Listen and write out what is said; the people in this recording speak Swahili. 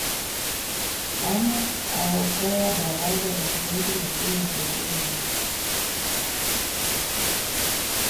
ma aokoa baraza la seneti lakini apoteza